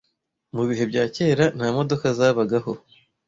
Mu bihe bya kera nta modoka zabagaho